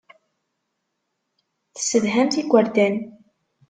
Tessedhamt igerdan.